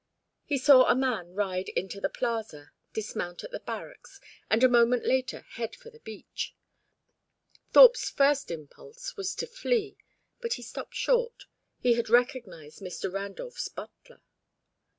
He saw a man ride into the plaza, dismount at the barracks, and a moment later head for the beach. Thorpe's first impulse was to flee. But he stopped short; he had recognised Mr. Randolph's butler.